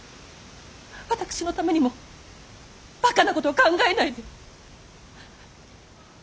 私のためにもばかなことは考えないで。